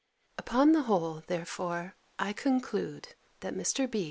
Upon the whole, therefore, I conclude, that Mr. B.